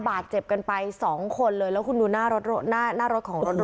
บาดเจ็บกันไปสองคนเลยแล้วคุณดูหน้ารถของรถโรงพยาบาล